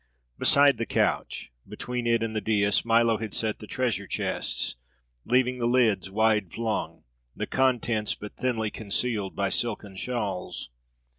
Beside the couch, between it and the dais, Milo had set the treasure chests, leaving the lids wide flung, the contents but thinly concealed by silken shawls.